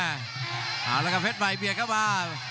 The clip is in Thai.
เอาละครับเพชรไฟล์เปียกเข้ามา